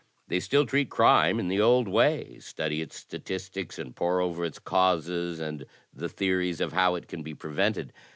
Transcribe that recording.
They still treat crime in the old way, study its statistics and pore over its causes and the theories of how it can be prevented.